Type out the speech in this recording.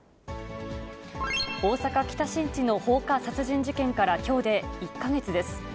大阪・北新地の放火殺人事件からきょうで１か月です。